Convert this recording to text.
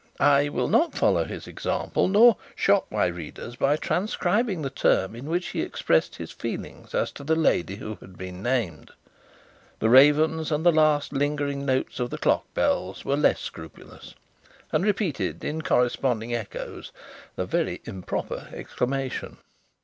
I will not follow his example, nor shock my readers by transcribing the term in which he expressed his feelings as to the lady who had been named. The ravens and the last lingering notes of the clock bells were less scrupulous, and repeated in corresponding echoes the very improper exclamation.